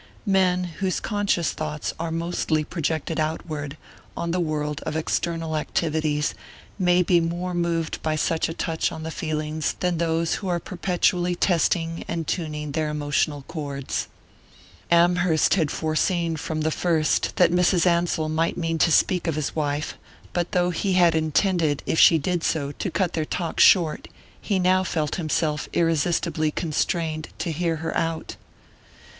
Men whose conscious thoughts are mostly projected outward, on the world of external activities, may be more moved by such a touch on the feelings than those who are perpetually testing and tuning their emotional chords. Amherst had foreseen from the first that Mrs. Ansell might mean to speak of his wife; but though he had intended, if she did so, to cut their talk short, he now felt himself irresistibly constrained to hear her out. Mrs.